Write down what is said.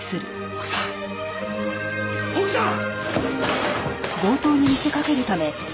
奥さん奥さん！